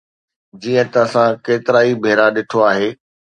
جيئن ته اسان ڪيترائي ڀيرا ڏٺو آهي.